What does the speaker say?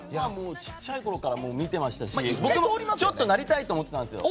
小さいころから見てましたしちょっとなりたいと思ってたんですよ。